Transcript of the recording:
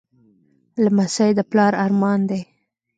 لمسی د پلار ارمان دی.